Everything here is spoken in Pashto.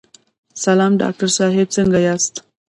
سلام ډاکټر صاحب، څنګه یاست؟